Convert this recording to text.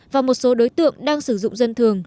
và một số đối tượng đang sử dụng dân thường